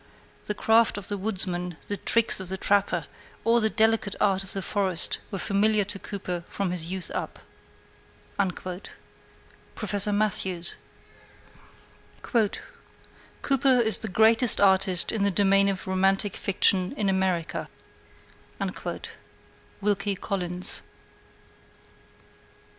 The craft of the woodsman, the tricks of the trapper, all the delicate art of the forest, were familiar to Cooper from his youth up. Prof. Brander Matthews. Cooper is the greatest artist in the domain of romantic fiction yet produced by America. Wilkie Collins.